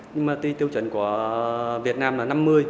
nhưng mà tuy tiêu chuẩn của việt nam là năm mươi